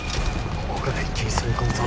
ここから一気に攻め込むぞ。